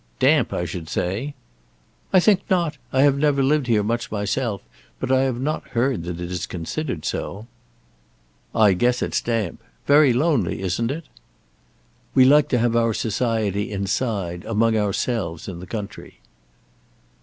"Damp; I should say?" "I think not. I have never lived here much myself; but I have not heard that it is considered so." "I guess it's damp. Very lonely; isn't it?" "We like to have our society inside, among ourselves, in the country."